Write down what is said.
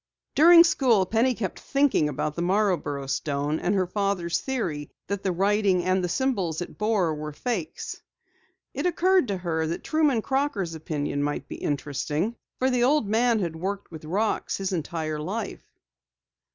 During school, Penny kept thinking about the Marborough stone and her father's theory that the writing and symbols it bore were fakes. It occurred to her that Truman Crocker's opinion might be interesting for the old man had worked with rocks his entire life.